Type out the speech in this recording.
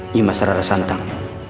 nimas rara santang